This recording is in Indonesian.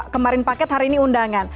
kemarin paket hari ini undangan